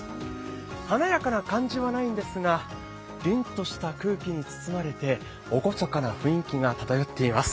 華やかな感じはないんですが巌とした空気に包まれて厳かな雰囲気に包まれています。